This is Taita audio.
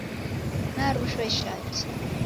Narushwa ishati.